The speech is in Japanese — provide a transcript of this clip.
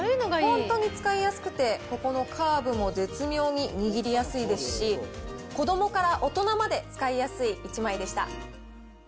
本当に使いやすくて、ここのカーブも絶妙に握りやすいですし、子どもから大人まで使いやすい１枚でした。